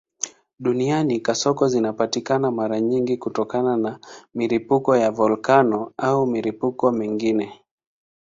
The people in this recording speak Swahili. Duniani kasoko zinapatikana mara nyingi kutokana na milipuko ya volkeno au milipuko mingine.